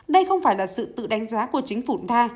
đây không phải là sự tự đánh giá của chính phủ nga